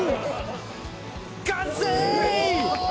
「完成！」